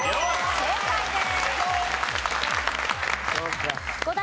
正解です。